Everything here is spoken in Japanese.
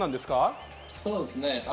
そうですね。